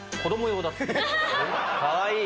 かわいい！